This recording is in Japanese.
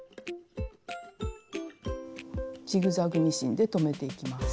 ジグザグミシンで留めていきます。